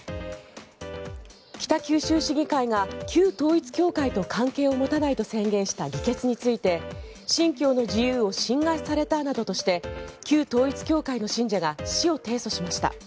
北九州市議会が旧統一教会と関係を持たないと宣言した議決について、信教の自由を侵害されたなどとして旧統一教会の信者が市を提訴しました。